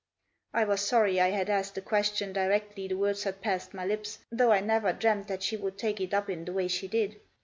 " I was sorry I had asked the question directly the words had passed my lips, though I never dreamt that she would take it up in the way she did.